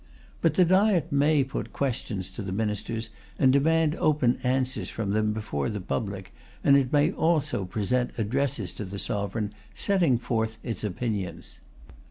But the Diet may put questions to the Ministers and demand open answers from them before the public, and it may also present addresses to the Sovereign setting forth its opinions.